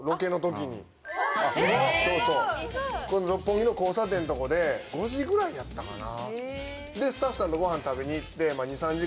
そうそう六本木の交差点とこで５時ぐらいやったかな。